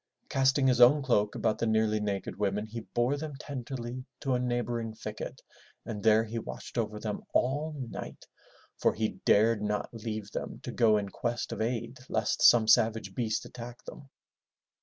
Casting his own cloak about the nearly naked women he bore them tenderly to a neighboring thicket and there he watched over them all night for he dared not leave them to go in quest of aid lest some savage beast attack them.